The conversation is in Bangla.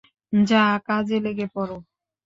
যা কাজে লেগে পড়।